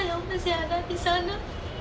yang masih ada di sana